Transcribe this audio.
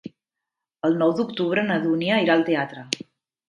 El nou d'octubre na Dúnia irà al teatre.